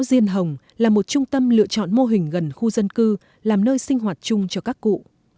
điền hồng là một trung tâm lựa chọn mô hình gần khu dân cư làm nơi sinh hoạt chung cho các cụ